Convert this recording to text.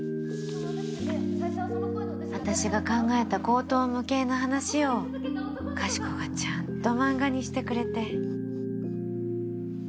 私が考えた荒唐無稽な話をかしこがちゃんと漫画にしてくれて。